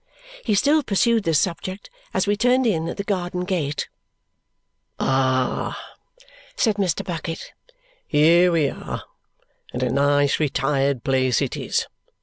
He still pursued this subject as we turned in at the garden gate. "Ah!" said Mr. Bucket. "Here we are, and a nice retired place it is.